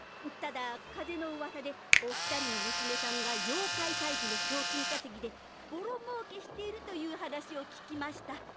ただ風の噂でお２人の娘さんが妖怪退治の賞金稼ぎでぼろ儲けしているという話を聞きました。